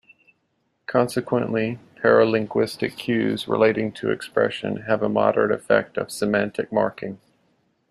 Consequently, paralinguistic cues relating to expression have a moderate effect of semantic marking.